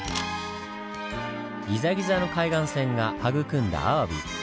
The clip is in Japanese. ギザギザの海岸線が育んだアワビ。